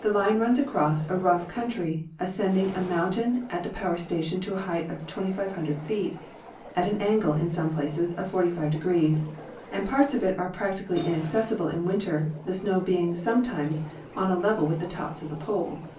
The line runs across a rough country, ascending a moun tain at the power station to a height of 2,500 feet, at an angle, in some places, of 45 degrees, and parts of it are practically inaccessible in winter, the snow being some times on a level with the tops of the poles.